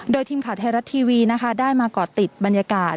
โดยทีมข่าวไทยรัฐทีวีนะคะได้มาก่อติดบรรยากาศ